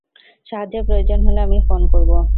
সাহায্যের প্রয়োজন হলে আমি ফোন করব।